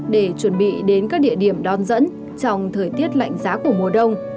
để chuẩn bị đến các địa điểm đón dẫn trong thời tiết lạnh giá của mùa đông